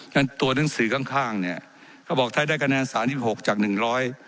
นั้นตัวหนังสือข้างข้างเนี่ยก็บอกถ้าได้คะแนนสามสิบหกจากหนึ่งร้อย